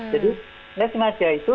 jadi lihat semuanya aja itu